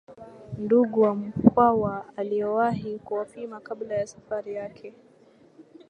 ndugu wa Mkwawa aliowahi kuwapima kabla ya safari yake